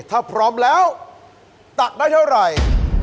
ถ้าพร้อมแล้วตักได้เท่าไหร่